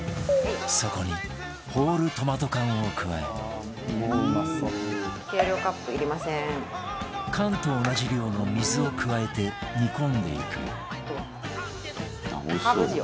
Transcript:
そこにホールトマト缶を加え缶と同じ量の水を加えて煮込んでいく